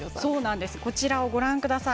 こちらご覧ください。